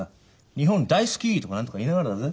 「日本大好き」とか何とか言いながらだぜ。